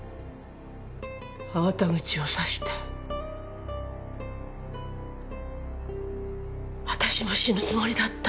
粟田口を刺して私も死ぬつもりだった。